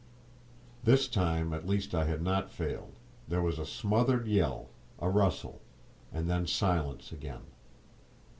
This time at least I had not failed; there was a smothered yell, a rustle, and then silence again.